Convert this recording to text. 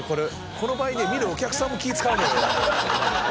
この場合ね見るお客さんも気ぃ使うのよ。